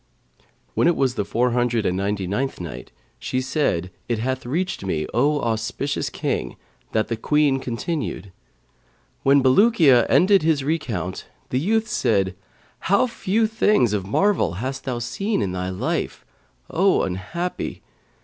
When it was the Four Hundred and Ninety ninth Night, She said, It hath reached me, O auspicious King, that the Queen continued: "When Bulukiya ended his recount, the youth said, 'How few things of marvel hast thou seen in thy life, O unhappy!